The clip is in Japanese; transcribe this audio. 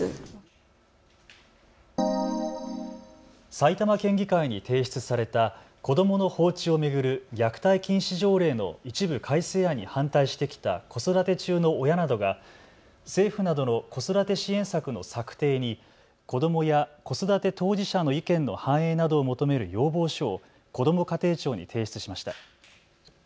埼玉県議会に提出された子どもの放置を巡る虐待禁止条例の一部改正案に反対してきた子育て中の親などが政府などの子育て支援策の策定に子どもや子育て当事者の意見の反映などを求める要望書をこども家庭庁に提出しました。